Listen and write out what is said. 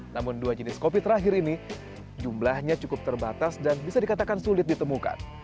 namun dua jenis kopi terakhir ini jumlahnya cukup terbatas dan bisa dikatakan sulit ditemukan